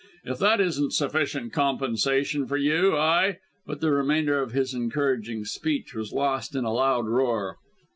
If that isn't sufficient compensation for you, I " But the remainder of this encouraging speech was lost in a loud roar.